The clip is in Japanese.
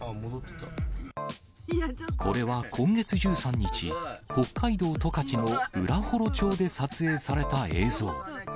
これは今月１３日、北海道十勝の浦幌町で撮影された映像。